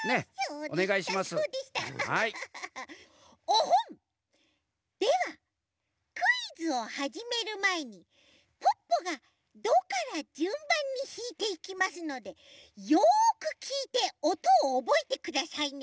オホンッ！ではクイズをはじめるまえにポッポが「ド」からじゅんばんにひいていきますのでよくきいておとをおぼえてくださいね。